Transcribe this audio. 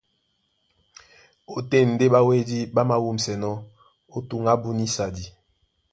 Ótên ndé ɓáwédí ɓá māwûmsɛnɔ́ ó tǔn ábú nísadi.